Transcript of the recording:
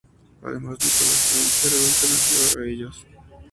Además Nicolás Sainz era la alternativa a ellos.